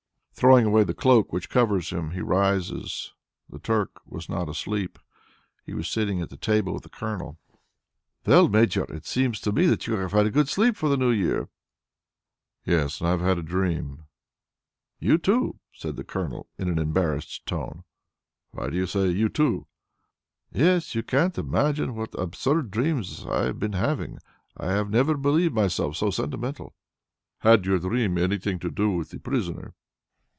Throwing away the cloak which covers him, he rises. The Turk was not asleep; he was sitting at table with the Colonel. "Well, Major, it seems to me that you have had a good sleep for the New Year." "Yes ... and I have had a dream." "You too?" said the Colonel in an embarrassed tone. "Why do you say, 'You too'?" "Yes. You can't imagine what absurd dreams I have been having. I had never believed myself so sentimental." "Had your dream anything to do with the prisoner?"